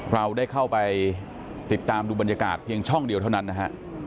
เราได้เข้าไปติดตามดูบรรยากาศเพียงช่องเดียวเท่านั้นนะฮะ